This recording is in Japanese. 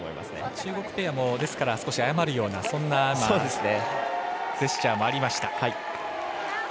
中国ペアも、謝るようなそんなジェスチャーもありました。